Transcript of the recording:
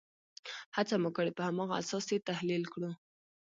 هڅه مو کړې په هماغه اساس یې تحلیل کړو.